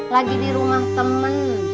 lagi di rumah temen